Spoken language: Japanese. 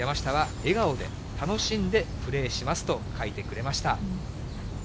山下は、笑顔で、楽しんで、プレーしますと、書いてくれました。